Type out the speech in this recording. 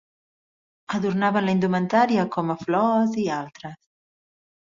Adornaven la indumentària com a flors i altres.